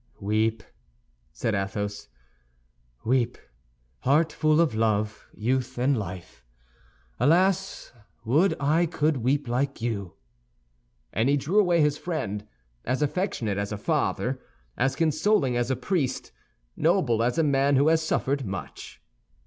"Weep," said Athos, "weep, heart full of love, youth, and life! Alas, would I could weep like you!" And he drew away his friend, as affectionate as a father, as consoling as a priest, noble as a man who has suffered much.